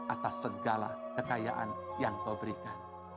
atas segala kekayaan yang kau berikan